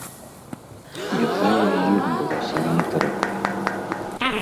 Якая з іх была самай дарагой?